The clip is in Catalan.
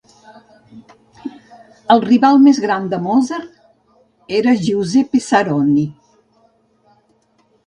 El rival més gran de Moser era Giuseppe Saronni.